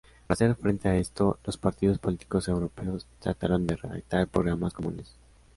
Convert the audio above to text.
Para hacer frente a esto, los partidos políticos europeos trataron de redactar programas comunes.